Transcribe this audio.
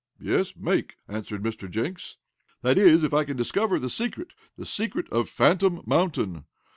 "Yes, 'make,'" answered Mr. Jenks. "That is if I can discover the secret the secret of Phantom Mountain.